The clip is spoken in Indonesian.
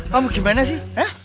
kamu gimana sih